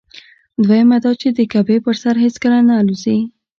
دویمه دا چې د کعبې پر سر هېڅکله نه الوزي.